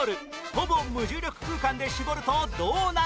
ほぼ無重力空間で絞るとどうなる？